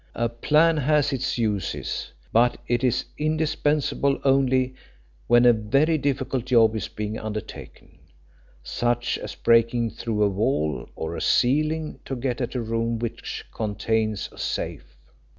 A plan has its uses, but it is indispensable only when a very difficult job is being undertaken, such as breaking through a wall or a ceiling to get at a room which contains a safe.